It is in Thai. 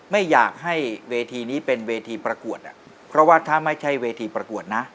ไม่อยากให้เวทีนี้เป็นเวทีประกวดอ่ะเพราะว่าถ้าไม่ใช่เวทีประกวดนะ